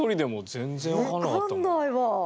分かんないわ。